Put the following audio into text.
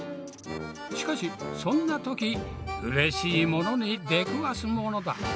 しかしそんな時うれしい物に出くわすものだ。